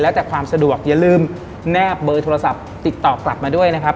แล้วแต่ความสะดวกอย่าลืมแนบเบอร์โทรศัพท์ติดต่อกลับมาด้วยนะครับ